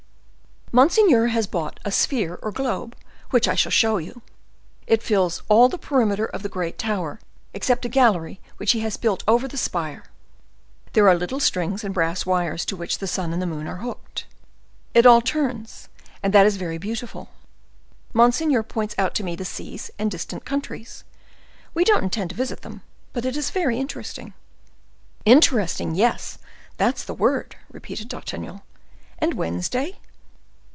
"Monseigneur has bought a sphere or globe, which I shall show you; it fills all the perimeter of the great tower, except a gallery which he has had built over the sphere: there are little strings and brass wires to which the sun and moon are hooked. It all turns; and that is very beautiful. Monseigneur points out to me the seas and distant countries. We don't intend to visit them, but it is very interesting." "Interesting! yes, that's the word," repeated D'Artagnan. "And Wednesday?"